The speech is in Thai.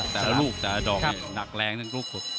แต่ละลูกแต่ละดองนี่หนักแรงจนกรุ่นสุด